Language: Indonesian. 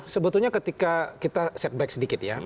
sebetulnya ketika kita setback sedikit ya